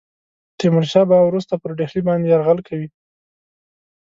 تیمور شاه به وروسته پر ډهلي باندي یرغل کوي.